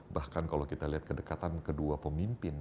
bahkan kalau kita lihat kedekatan kedua pemimpin